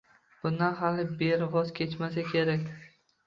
Bundan hali-beri voz kechmasa kerak.